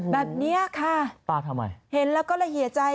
แบบเนี่ยค่ะปลาทำไมเห็นแล้วก็ละเหียจัย